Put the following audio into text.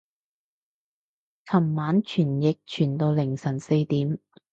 尋晚傳譯傳到凌晨四點